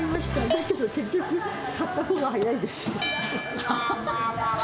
だけど結局、買ったほうが早いです。